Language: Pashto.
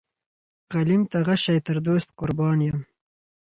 غلیم ته غشی تر دوست قربان یم.